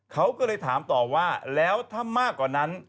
เขาก็เลยถามต่อว่าแล้วถ้ามากกว่านั้น